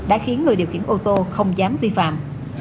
đã khiến người điều khiển ô tô không dám vi phạm